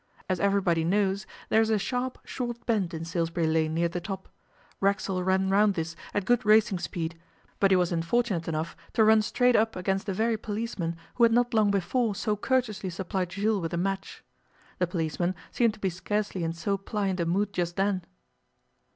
As everybody knows, there is a sharp short bend in Salisbury Lane near the top. Racksole ran round this at good racing speed, but he was unfortunate enough to run straight up against the very policeman who had not long before so courteously supplied Jules with a match. The policeman seemed to be scarcely in so pliant a mood just then.